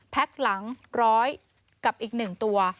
หลัง๑๐๐กับอีก๑ตัว